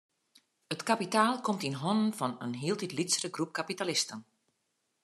It kapitaal komt yn hannen fan in hieltyd lytsere groep kapitalisten.